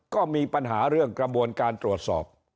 ก็มีปัญหาเรื่องกระบวนการตรวจสอบ